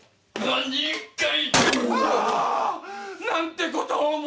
何てことを。